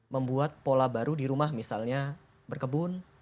membuat pola baru di rumah misalnya berkebun